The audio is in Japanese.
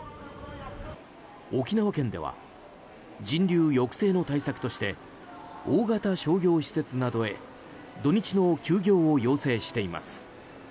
沖縄県では人流抑制の対策として大型商業施設などへ土日の休業を要請しています。